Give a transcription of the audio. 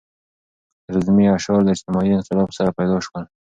رزمي اشعار له اجتماعي انقلاب سره پیدا شول.